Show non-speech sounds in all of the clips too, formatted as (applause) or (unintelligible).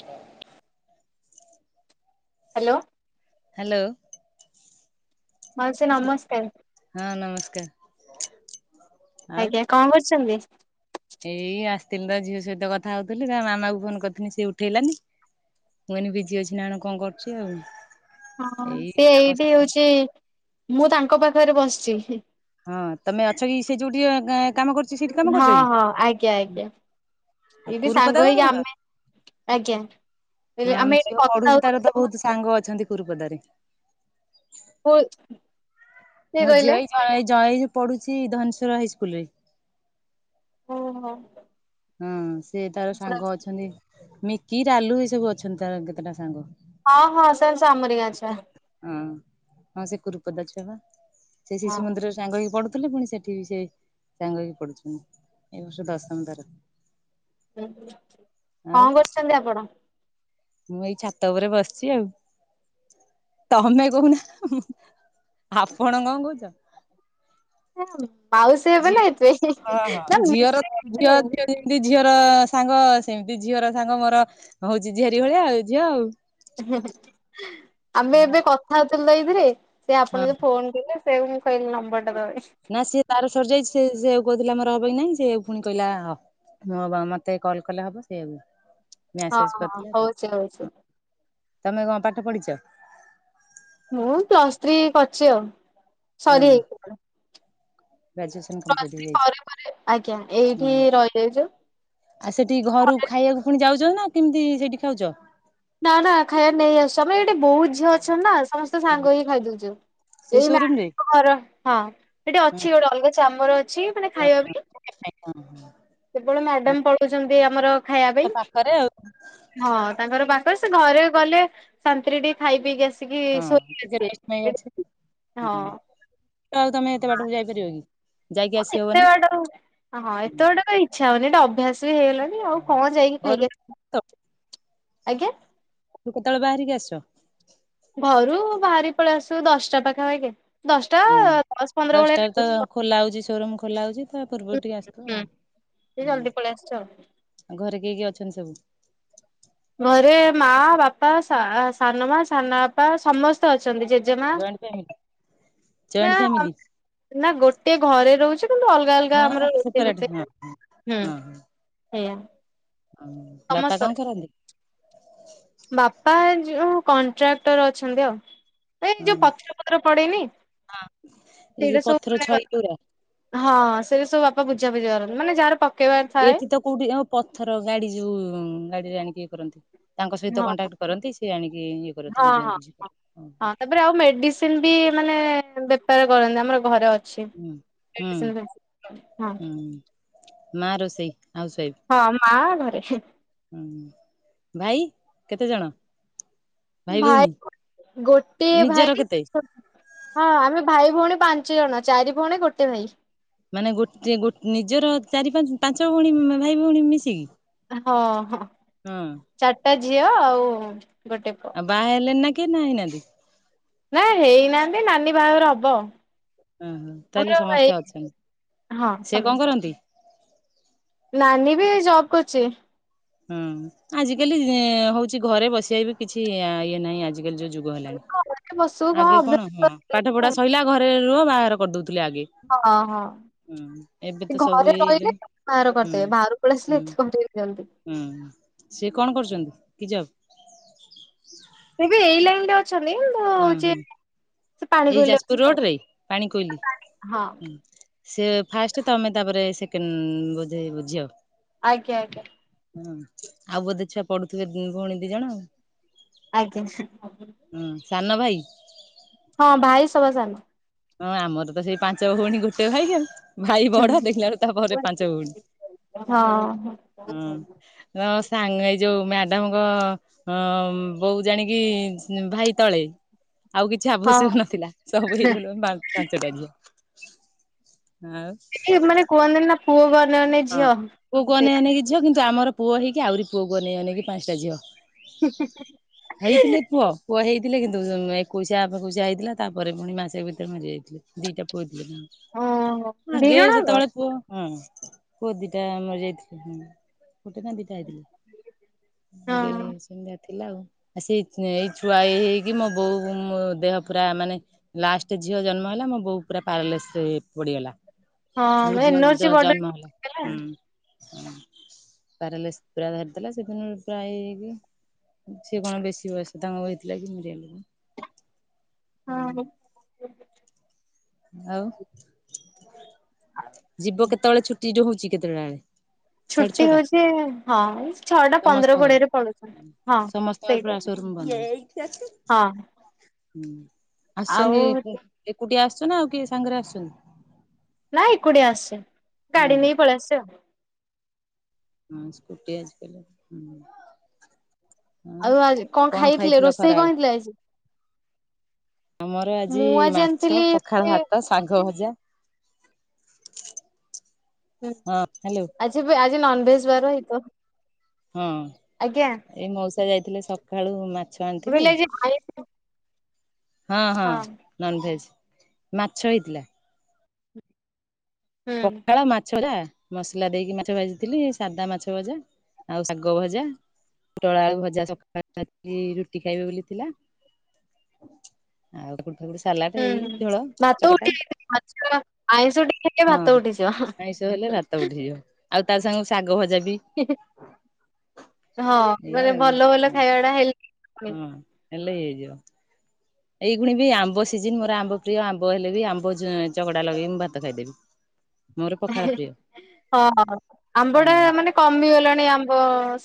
୍ hello. Hello. ମାଉସୀ ନମସ୍କାର। ନମସ୍କାର (unintelligible) ଆଉ ଆଜ୍ଞା କଣ କରୁଚନ୍ତି? ତିନଟା ଝିଅ ସହିତ କଥା ହଉଥୁଲି। ତା ମାମାକୁ ଫୋନ କରିଥିନି ସିଏ ଉଠେଇଲାନି। ମୁଁ ନକହିଲି ବିଜି ଅଛି ନାଁ ଆଣ କଁ କରୁଚି ଆଉ। ହଁ ଏଇ ସିଏ କାମ ଏଇଠ ସାରି ହୋଉଚି ମୁଁ ତାଙ୍କ ପାଖରେ ବସଚି। ହଁ ତମେ ଅଛ କି ସେ ଯଉଠି ଏଁ କାମ କର୍ ହଁ ହଁ ଆଜ୍ଞା ଆଜ୍ଞା। ଆଉ ଏଇଠି କୁରୁପଦା ସାଙ୍ଗ ତମର ହେଇକି ଆମେ ହଁ ଆଜ୍ଞା । ଏବେ ଆମ ଆମେ ଏଠି ଝିଅ ପଢୁଛି କଥା ହୋଉ ତାର ତ (inaudible) ବହୁତ ସାଙ୍ଗ ଅଛନ୍ତି କୁରୁପଦାରେ। କିଏ ମୋ କହିଲେ? ଝିଅ ଏଇ ଝ ଏଇ ଜ ଏଇ ଯୋଉ ପଢୁଚି ଧନେଶ୍ଵର ହାଇସ୍କୁଲରେ। ଓ ହୋ। ହଁ। ସେ ତାର ସାଙ୍ଗ ଅଛନ୍ତି। ମିକି ରାଲୁ ଏଇ ସବୁ ଅଛନ୍ତି ତାର କେତେଟା ସାଙ୍ଗ। ହଁ ହଁ ସେଆନ ସବୁ ଆମରି ଗାଁ ଛୁଆ। ହୁଁ ହଁ ସେ କୁରୁପଦା ଛୁ ଏବା ସେଇ ହଁ। ଶିଶୁମନ୍ଦିର ସାଙ୍ଗ ହେଇକି ପଡୁ ଥିଲେ ପୁଣି ସେଠି ବି ସେ ସାଙ୍ଗ ହେଇି ପଡୁଛନ୍ତି। ଏ ବର୍ଷ ଦଶମ ତାର। ଆଉ କଣ କରୁଚନ୍ତି ଆପଣ? ମୁଁ ଏଇ ଛାତ ଉପରେ ବସିଚି ଆଉ। ତମେ କହୁନ। ଆପଣ କଣ କହୁଚ? ହଁଉ। ମାଉସୀ ହେବେ ନା ଏଥି ପାଇଁ ହଁ ହଁ ।ନା ଝିଅର ଝିଅ ମିଶିଙ୍ଗ୍ (unintelligible) ଝିଅ ଯେମିତି ଝିଅର ସାଙ୍ଗ ସେମିତି ଝିଅର ସାଙ୍ଗ ମର ହଉଚି ଝିଆରି ଭଳିଆ ଆଉ ଝିଅ ଆଉ। (unintelligible) ଆମେ ଏବେ କଥା ହୋ ଲାଇଭ୍ ରେ। ସେ ଆପଣଙ୍କୁ ଫୋନ କଲା। ହଁ ନା ସିଏ ତାର ସରିଯାଇଚି ସେ ସେଆକୁ କହୁଥିଲା ମୋର ହବ କି ନାଇଁ ।ସେଆକୁ ପୁଣି କହିଲା ହବ୍ ମତେ କଲ କଲେ ହବ ସେଆକୁ। ହଁ ହଁ ହଉଚି ହଉଚି। ତମେ କଣ ପାଠ ପଢ଼ିଚ? ମୁଁ ପ୍ଲସ୍ ଥ୍ରୀ କରିଚି ଆଉ। ହଁ ସରି ହେଇ (unintelligible) ଗ୍ରାଜୁଏସନ କମ୍ପ୍ଲିଟ୍ ହେଇଯାଇଛି। ପରେ ଆଜ୍ଞା ହୁଁ ଏଇଠି ରହିଯାଇଛୁ ଆ ସେଠିକି ଘରୁ ଘରେ ଖାଇବାକୁ ପୁଣି ଯାଉଛନ୍ତି ନା। କେମିତି ସେଇଠି ଖାଉଛ। ନା ନା ଖାଇବା ନେଇ ଆସଛୁ ଆମେ। ଏଇଠି ବହୁତ ଝିଅ ଅଛନ୍ତି ନା। ସମସ୍ତେ ସାଙ୍ଗ ହେଇକି ଖାଇଦଉଛୁ ସେଇ ।ଏଇ ସୋରୁମ ରେ? ମାଡାମ ଘର ହଁ ସେଠି ହଁ ଅଛି ଗୋଟେ ଅଲଗା ଚାମର ଅ ଅଛି ମାନେ ଖାଇବା ପାଇଁ। ହଁ ହଁ। କେବଳ ମ୍ୟାଡାମ ପଳଉଛନ୍ତି। ତି ଆମର। ଖାଇବା ତ ପାଇଁ। ପାଖରେ ଆଉ ହଁ ତାଙ୍କର ବା ସେ ଘରେ ଗଲେ ସାନ୍ତ୍ରୀଟିିକେ ଖାଇ ପିକି ଆସି ହଁ ଟିକେ (unintelligible) ଆସିବେ। ହଁ ଆଉ ତମେ ଏତେ ବାଟକୁ ଯାଇପାରିବ କି। ଯାଇକି ଆସି ହବନି ଏତେ ବାଟ ଆଉ ହଁ ଏତେ ବାଟ ପାଇଁ ଇଛା ହଉନି। ଏଟାଅ ରି ହେଇଗଲାଣି ଆଉ କଣ ଯାଇକି ଘରୁ ଖାଇକି ଆସ ଆଜ୍ଞା। ରୁ କେତେବେଳେ ବାହାରିକି ଆସ। ଘରୁ ବାହାରି ପଳେଇ ଆସୁ ଦଶଟା ପାଖାପାଖି। ଦଶଟା ଦଶ ହଁ ପନ୍ଦର ଭଳିଆ ଦଶଟାରେ ତ ଲାଗୁଛି ଖୋଲା ହୋଉଚି ସୋରୁମ ଖୋଲା ହୋଉଚି ତା ପୂର୍ବରୁ ଟିକେ ଆସୁଥିବ ହୁଁ ଆଉ? ସେ ହୁଁ ଜଲ୍ଦି ପଳେଇ ଆସିଛୁ ଆଉ। (inaudible) ଆଉ ଘରେ କିଏ କିଏ ଅଛନ୍ତି ସବୁ? ଘରେ ମା ବାପା ସା-ସାନମା ସାନ ଆପା ସମସ୍ତେ ଅଛନ୍ତି। ଅଛନ୍ତି ଜେଜେମା ଜଏଣ୍ଟ ଫ୍ୟାମିଲି (inaudible) ଜଏଣ୍ଟ ନାଆ ଫ୍ୟାମିଲି ନା ଗୋଟେ ଘରେ ରୋହୁଚୁ କିନ୍ତୁ ଅଲଗା ଅଲଗା ହଁ ଆମର ରୋଷେଇ ସେପାରେଟ ବାସ ହଁ କରୁ (inaudible) ହୁଁ ହଁ (inaudible) ସେଇୟା ହଁ ବାପା କଣ ସମସ୍ତରେ କରନ୍ତି? (inaudible) ବାପା ଏଇ ଯୋଉ କଣ୍ଟ୍ରାକ୍ଟର ଅଛନ୍ତି ଆଉ। ଏ ହଁ ଯୋଉ ପଥର ଫତର ପଡେନି? (inaudible) ଏଇ ଯୋଉ ସେଇଟା ସବୁ ପଥର ଛଇ ଯୋଉରା ହଁ ସେଇଟା ସବୁ ବାପା ବୁଝାବୁଝି କରନ୍ତି। ମାନେ ଯାଆର ପଥର ଏଠି ତ କୋଉଠି ଓ ପଥର ଗାଡି ଯୋଉ-ଉ ଗାଡିରେ ଆଣିକି ଇଏ କରନ୍ତି। ତାଙ୍କ ସହିତ କଣ୍ଟାକ୍ଟ କରନ୍ତି ସେ ସେ ଆଣିକି ଇଏ କରନ୍ତି ହଁ ବୁଝା ହଁ ବୁଝି ହଁ କରନ୍ତି। ଓହୋ ହଁ ତାପରେ ଆଉ ମେଡିସିନ ବି ମାନେ ବେ ବେପାର କରନ୍ତି, ଆମର ଘରେ ଅ ହୁଁ ହୁଁ (unintelligible) ହୁଁ ମା ରୋଷେଇ ହାଉସ ୱାଇଫ ହଁ ମାଆ ଘରେ ହୁଁ ହୁଁ, ଭାଇ କେତେ ଜଣ? ଭାଇ ଗୋଟିଏ ନିଜର ଭାଇ କେତେ? ଛୋଟ ହଁ ଆମେ ଭାଇ ଭୋଉଣୀ ପାଞ୍ଚ ଜଣ ଚାରି ଭଉଣି, ଗୋଟେ ଭାଇ। ମାନେ ଗୋଟେ ଗୋଟ, ନିଜର ଚାରି ପାଞ୍ଚ ପାଞ୍ଚ ଭୋଉଣୀ, ଭାଇ ଭୋଉଣୀ ମିଶିକି? ହଁ ହଁ, ହଁ। ଚାରିଟା ଝି ଝିଅ ଆଉ ଗୋଟେ ପୁଅ। ଆ ବାହେଲେନି ନା? କି ନା ହେଇନାନ୍ତି ନା ହେଇନାଆନ୍ତି, ନାନୀ ବାହାଘର ହବ। ଓହୋ ତାହେଲେ ଆମର ଏଇ ସମସ୍ତେ ଅଛନ୍ତି ହଁ ସେ କଣ ସମସ୍ତ କରନ୍ତି? ନାନୀ ବି ଜବ କରୁଚି। ହୁଁ, ଆଜିକାଲି-ଇ ହୋଉଚି ଘରେ ବସିବା କିଛି ଇଏ ନାହିଁ ଆଜି ଆଜି କାଲି ଯୋଉ ଯୁଗ ହେଲାଣି, ଘରେ ବସିବୁ ଆଗେ ଅଭ୍ୟାସ କଣ ହଁ ପାଠ ପଢା କରିଗଲାଣି ସଇଲା ଘରେ ରୁହ ବାହାଘର କରିଦୋଉଚି ହଁ ହଁ ଏବେ ତ ସେ ସବୁ ଘରେ ଇଏ ରହିଲେ ହେଲେଣି ବାହାର ହୁଁ। କରିଦେବେ ବାହାରକୁଳେଇ ହୁଁ ଆସିଲେ ଏ କରିଦ ଜି ହୁଁ ସେ କଣ କରୁଛନ୍ତି କି ଜବ୍। ତେବେ ଏଇ ଲାଇନ୍ ରେ ଅ ଅଛନ୍ତି ହଁ କିନ୍ତୁ ହଁ ସେ ଏଇ ପାଣିକୋଇଲି ଯାଜପୁର ଅଛି ରୋଡ ରେ ପାଣି କୋଇଲି ଆଉ ହଁ। ହୁଁ। ସେ ଫାଷ୍ଟ ତମେ ତାପରେ ସେକେଣ୍ଡ ବେଧେ ଝିଅ। ଆଜ୍ଞା ଆଜ୍ଞା। ହୁଁ ଆଉ ବୋଧେ ଛୁଆ ପଢୁଥିବେ ଭଉଣୀ ଦି ଜଣ ଆଉ। ଆଜ୍ଞା। ହୁଁ ସାନ ଭାଇ ହଁ ଭାଇ ସବା ସନ। ହଁ ଆମର ତ ସେଇ ପାଞ୍ଚ ଭଉଣୀ ଗୋଟେ ଭାଇ। ଭାଇ ହୁଁ ବଢ ଦେଖିଲାରୁ ତାପରେ ପାଞ୍ଚ ଭଉଣୀ ହଁ। ହଁ ହଁ ସାଙ୍ଗ ଏଇ ଯୋଉ ମ୍ୟାଡାମଙ୍କ ବୋଉ ଜାଣିକି ଭାଇ ତଳେ ଆଉ କିଛି ହଁ ଆବଶ୍ୟକ ନଥିଲା ସବୁ ହେଇଗଲା ପାଞ୍ଚଟା ଝିଅ ଆଉ ଏ ମାନେ କୁହନ୍ତିି ନା ପୁଅ କର ହଁ ପୁଅକୁ ଅନେଇକି ଝିଅ କିନ୍ତୁ ଆମର ପୁଅ ହେଇକି ଆହୁରି ପୁଅକୁୁ ଅନେଇ ଅନେଇ କି ପାଞ୍ଚଟା ଝିଅ ହେଇଥିଲେ ପୁଅ (unintelligible) ପୁଅ ହେଇଥିଲେ କିନ୍ତୁ ଏକୋଇଶିଆ ଫେକୋକୁଶିଆ ହେଇଥିଲା। ତାପରେ ପୁଣି ମାସେ ଭିତରେ ମରି ଯାଇଥିଲେ ଦିଇଟା ପୁଅ ଓହୋ ଦି ଆଗେ ଜଣ ଯାକ ଯେତେବେଳେ ପୁଅ ହୁଁ ପୁଅ ଦିଟା ମରି ଯାଇଥିଲି। ହୁଁ ଗୁଟେ ନା ଦିଟା ହେଇଥିଲେ ହଁ ଆଜ୍ଞା ଏ ସନ୍ଦ୍ୟା ଥିଲା ଆଉ ସେଇ ଏଇ ଛୁଆ ଏଇ ହେଇ ହେଉକି ମୋ ବୋଉ ମୋ ଦେହ ପୁରା ମାନେ ଲାଷ୍ଟ ଝିଅ ଜନ୍ମ ହେଲା। ମୋ ବୋଉ ପୁରା ପାରାଲିସିଶି ହେଇ ପଡିଗଲା। ହଁ ଯୋଉ ଦିନ ଏନୋର୍ଛି ବଡ ଜନ୍ମ ହେଲା ହେଲା ହୁଁ। ପାରଲିସି ପୁରା ଧରିଦେଥିଲା ସେଦିନ ପ୍ରାୟ ହେଇ ହେଇ କି ସେ କଣ ବେଶୀ ବୟସ ତାଙ୍କ ହେଇଥିଲା କି ମରିଆ ହଁ। ଆଉ ଯିବ କେତେବେଳେ ଛୁଟି ଯ ହଉଛି ଚିକେତୁଆଳେ। ଛୁଟି ହଉଛି ହଁ ଛଅଟା ପନ୍ଦର ସମସ୍ତଙ୍କର କୋଡିଏରେ ପଡୁଛନ୍ତି ହଁ। ସମସ୍ତଙ୍କର ପୁରା ସେଇଟି ଟାଇମ୍ ସୋରୁମ ବନ୍ଦ ହଁ। ହୁଁ। ଆଉ ଆସୁଛନ୍ତି ଏକୁଟିଆ ଆସ ସୁନା ଆଉ କିଏ ସାଙ୍ଗରେ ଆସିଛ ନାଇଁ ଏକୁଟିଆ ଆସିଚି। ଗାଡି ନେଇ ପଳେ ଆସିଚି ଆଉ। ହୁଁ ସ୍କୁଟି ଆଜିି କାଲି ଆଉ ଆଜି କଣ ଖାଇଥିଲେ ରୋଷେଇ କଣ ଖରାବେଳେ? ହେଇଥିଲେ ଆଜି? ଆମର ଆଜି ମୁଁ ମାଛ, ଆଣିଥିଲି ପଖାଳ ଭାତ, ଶାଗ ଭଜା ହଁ ହାଲୋ। ହଉଛି ଆଜି ନନଭେଜ ବାର ହେଇତ ହଁ ଆଜ୍ଞା ଏଇ ମ ଯାଇଥିଲେ ସକାଳୁ ମାର୍କେ ବିଲ ଯାଇ (unintelligible) ହଁ ହଁ ନନଭେଜ। ମାଛ ହେଇଥିଲା। ହୁଁ ପଖାଳ ମାଛ ଜା ମସଲା ଦେଇକି ମାଛ ଭାଜିଥିଲି। ସାଧା ମାଛ ଭଜା ଆଉ ଶାଗ ଭଜା, ପୁଟଳ ଆଳୁ ଭଜା ସକା ରୁଟି ଖାଇବେ ବୋଲି ଥିଲା। ଆଉ କ ହୁଁ ଭାତ ଉଠି ମାଛ ଆଇଁଷ ଟିକେ ହେଲେ ହଁ ଭାତ ଉଠିଯିବ ଆଇଁଷ ହେଲେ ଭାତ ଉଠିଯିବ ଆଉ ତା ସାଙ୍ଗେ କୁ ଶାଗ ଭଜା ବି ହଁ ମାନେ ଭଲ ଭଲ ଖାଇ ଟା ହେଲେ ହୁଁ। ହେଲେ ହେଇଯିବ। ଏଇଗୁଣି ବି ଆମ୍ବ ସିଜନ ମୋର ଆମ୍ବ ପ୍ରିୟ ଆମ୍ବ ହେଲେ ବି ଆମ୍ବ ଚଗଡା ଲଗେଇବି ମୁଁ ଭାତ ଖାଇଦେବି। ମୋର ପଖାଳ ପ୍ରିୟ ହଁ ଆମ୍ବ ଟା ହୁଁ ମାନେ କମିଗଲାଣି ଆମ୍ବ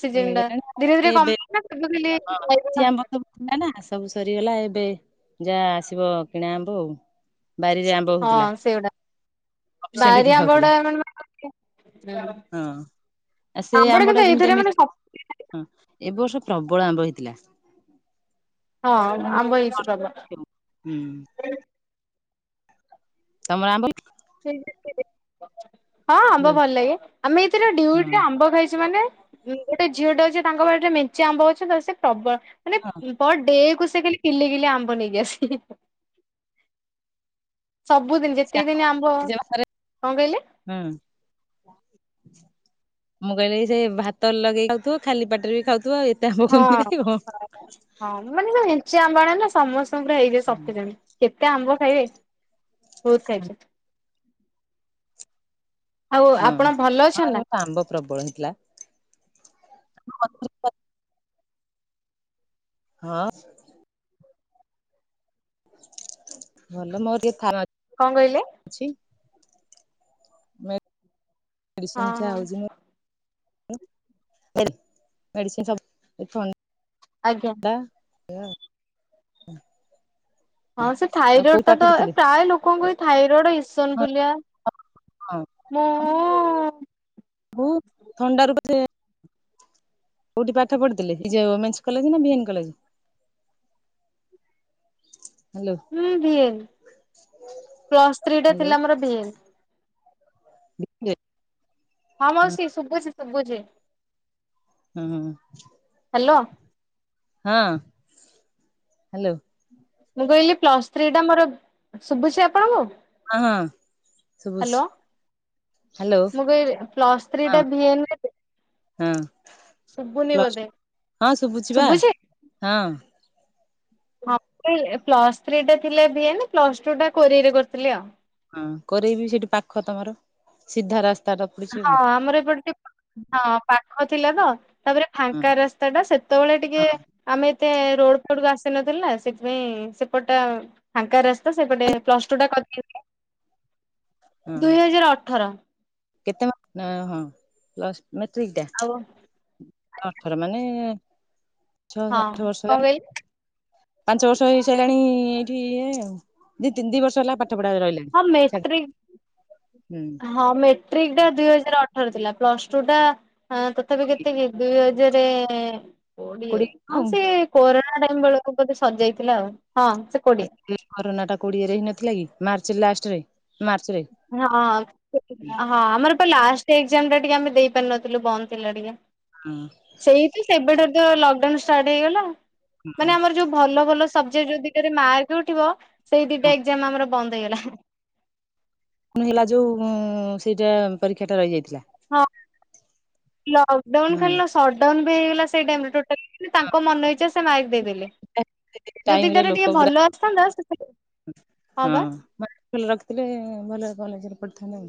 ସିଜିନ୍ ଟା ଧୀରେ ଧୀରେ କମିଗଲା ଖାଲି ଖାଇବା ଆମ ତ ଭିଲା ନା ସବୁ ସରିଗଲା ଏବେ ଯାହା ଆସିବ କିଣା ଆମ୍ବ ଆଉ। ବାରିରେ ଆମ୍ୱ ହଁ ହଉଥିଲା। ସେଗୁଡା ସଫିସେଣ୍ଟ ବାରି ଖିଆ ଆମ୍ବ ହଉଥିଲା। ଗୁଡା ମାନେ ହଁ ଆ ସେ ଆମ୍ବଟା ଆମ୍ବ ଟା କିନ୍ତୁ ଯେମିତି ଏଇଥିରେ ଆମେ ମାନେ ହଁ ମି ବଳ ଆମ୍ବ ହେଇ ଥିଲା। ହଁ ଆମ୍ୱ ହେଇଛି ପ୍ରବ ତମର ଆମ୍ୱ ସେ ହଁ ଆମ୍ବ ହେଇଥିଲା? ଭଲ ଲାଗେ ଆମେ ଏଇଥିରେ ହଁ ଡ୍ୟୁଟ୍ ରେ ଆମ୍ବ ଖାଇଛୁ ମାନେ ଗୋଟେ ଝିଅ ଟେ ଅଛି ତାଙ୍କ ପାଖେ ମେଞ୍ଚେ ଆମ୍ବ ଗଛ ତ ସେ ପ୍ରବଳ ମାନେ ହଁ ପର୍ ଡେ କୁ ସେ କଲି କିଲେ କିଲେ ଆମ୍ବ ନେଇକି ଆସି ସବୁଦିନ ସେ ଯେତେ ଆମ୍ବ ଦିନ ଆମ୍ଭ ଯେ ମାସରେ କଣ କହିଲି ହୁଁ ମୁଁ କହିଲି ସେ ଭାତ ଲଗେଇକି ଖାଉଥିବ ଖାଲି ପାଟରେ ବି ଖାଉଥିବ ଆଉ ଏତେ ଆମ୍ବ ହଁ କେମିତି ଖାଇବ। ହଁ ମାନେ ଯୋଉ ନିଞ୍ଚି ଆମ୍ବଣ ନା ସମ ହେଇବେ ହଁ। ସତେ ଜଣ କେତେ କେତେ ଆମ୍ବ ଖାଇବେ ହଉତ ଖାଇକ ହୁଁ ଆପଣ ଭଲ ହଁ ଅଛନ୍ତି ନା ଏଟ ଆମ୍ବ ପ୍ରବଳ ହେଇଥିଲା ହ ହଁ ଭଲ ମୋରିକ ଥାନ କଣ କଇିଏଲ ହଁ ସଂଖ୍ୟା ହଁ ହଉଛି ମୁଁ ମେଡିସିନ ସବ ଏ ଆଜ୍ଞା ଆ ହଁ ସେ ଥାଇରଏଡ ଟା ତ ଏ ପ୍ରାୟ ଲୋକଙ୍କୁ ଏଇ ଥାଇରଏଡ ଇସନ ହଁ ବୁଆ ମୁଁ ହଉ ଥଣ୍ଡ ର ବ କୋଉଠି ପାଠ ପଢିଥିଲେେ କଲେ ନା କଲେ ହୁଁ ଭଏଲ ପ୍ଲସ୍ ଥ୍ରୀ ଟା ହ୍ୟାଲୋ ଥିଲା ଆମର ଭଏଲ ହ ହଁ ମାଉସୀ ଶୁଭୁଛି ସବୁଛି ହୁଁ ହ ହ୍ୟାଲୋ ହଁ ହ୍ୟାଲୋ ମୁଁ କହିଲି ପ୍ଲସ୍ ଥ୍ରୀ ଟା ମୋର ଶୁଭୁଛି ଆପଣଙ୍କୁ ହଁ ହଁ ଶୁଭୁଛି ହ୍ୟାଲୋ ହ୍ୟାଲୋ ମୁଁ ଫ୍ସ୍ତ୍ରୀ ହଁ ଟାନ ହଁ ପ ହଁ ଶୁଭୁଛି ବା ହଁ ହଁ ପ୍ଲସ ଥ୍ରୀ ଟା ଥିଲେ ବିଏ ପ୍ଲସ ଟୁ ଟା କୋରେ କରିଥିଲି ଆଉ ହଁ କରେଇବି ସେଇଠି ପାଖ ତମର ସିଧା ରାସ୍ତା ଟା ପଡିଛି ହଁ ଆଉ। ଆମର ଏପଟ ଟେ ହଁ ପାଖ ଥିଲା ତ ତାପରେ ହଁ ଫାଙ୍କା ରାସ୍ତା ଟା ସେତେବେଳେ ଟିକେ ହଁ ଆମେ ତ ରୋଡଡ କ ଆସିନଥିଲା ସେଥିପାଇଁ ସେପଟା ଫାଙ୍କା ରାସ୍ତା ସେପଟେ ପ୍ଲସ ଟୁ ଟା କରିଥିଲା ହଁ ଦୁଇ ହଜାର ଅଠର କେତେ ହଁ ପ୍ସ୍ (inaudible) ମେଟ୍ରିକଟା ଆଉ ହଁ ଅଠର ମାନେ ଛଅ ହଁ ଆଠ ବର୍ଷ କଣ ହେଲାଣି କହିଲି ପାଞ୍ଚ ବର୍ଷ ହେଇସାରିଲାଣି ଏଇଠିଏଉ ଦି ତିନି ଦି ବର୍ଷ ହେଲା ପଢା ରହିଲାଣି ହଁ ଛାଡ ହୁଁ ମେଟ୍ରିକ ହଁ ମେଟ୍ରିକଟା ଦୁଇ ହଜାରଠ ରେ ଥିଲା ପ୍ଲସ ଟୁ ଟା (inaudible) ହଁ ତଥାପି କେତେକ ଦୁଇ ଜରେ (inaudible) କୋଡିଏ ଆଉ ସେ କରୋ ଆାଇଙ୍ଗ (inaudible) ତାକୁ ବୋଧେ ସଜେଇଥିଲା ଆଉ ହଁ ସେ କୋଡିଆ କରୋନା ଟା କୋଡିଏରେ ହେଇ ନଥିଲା କି ମାର୍ଚ୍ଚ ଲାଷ୍ଟରେ ମାର୍ଚ୍ଚ ରେ। ହଁ ହଁ ଆମର ଲାଷ୍ଟ ଏକ୍ଜାମ ଟା ଟିକେ ଆମେ ଦେଇପାରିନଥିଲୁ ବନ୍ଦ ଥିଲା ଟିକେ ସେଇ ତ ସେବେଡ (inaudible) ଲକଡାଉନ ଷ୍ଟାର୍ଟ ହେଇଗଲା ମାନେ ଆମର ଯୋଉ ଭଲ ଭଲ ସବଜେକ୍ଟ ଦିିକରେ ମାର୍କ ଉଠିବ ସେଇ ଦିଟା ଏକ୍ଜାମ ଆମର (inaudible) ବନ୍ଦ ହେଇଗଲା କୁଣ ହେଲା ଯୋଉ ସେଇଟା ପରୀକ୍ଷା ଟା ରହିଯାଇଥିଲା ହଁ। ଲକଡାଉନ ହୁଁ ଖାଲି ସଟ୍ଡାଉନ ହେଇଗଲା ସେଇଡାମ ତାଙ୍କ ମନ ଇଚ୍ଛା ସେ ମାଇକ ଦେଇଦେଲେ ଟାଇମ ରେ ଯଦିଇଟାରେ ଲୋକ ଟିକେ ପୁରା ଭଲ ଆସିଥାନ୍ତା ହଁ ଭଲ ରଖିଥିଲେ ଭଲ। କଲେଜରେ ପଡ଼ିଥା ନା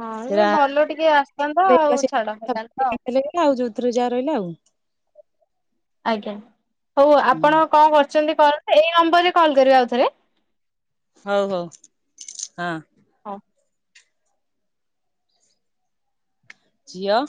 ହଁ ସେ ଭଲ ଟିକେ ଆସିଥାନ୍ନ୍ତ ଆଉ ଛାଡ ଫଲାନ୍ନ୍ତ ଆଉ ସତ ରଜା ରହିଲା ଆଉ ଆଜ୍ଞା। ହଉ ଆପଣ କଣ କର (unintelligible) କର ଏଇ ନମ୍ବରରେ କଲ କରିବା ଆଉ ଥରେ। ହଉ ହଉ ହଁ। ହଁ। ଝିଅ।